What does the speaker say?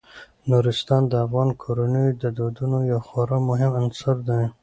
نورستان د افغان کورنیو د دودونو یو خورا مهم عنصر دی.